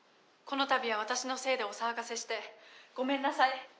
このたびは私のせいでお騒がせしてごめんなさい。